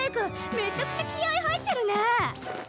めちゃくちゃ気合い入ってるねえ！